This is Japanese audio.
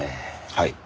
はい。